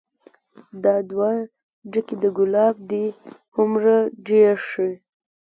دا دوه ډکي د ګلاب دې هومره ډير شي